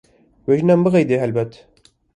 Wê jina min bixeyde helbet.